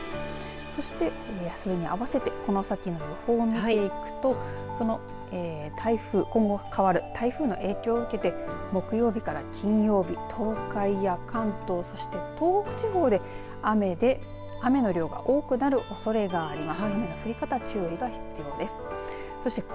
そしてそれに合わせてこの先の予報を見ていくと台風、今後変わる台風の影響を受けて木曜日から金曜日東海や関東そして東北地方で雨で雨の量が多くなるおそれがあります。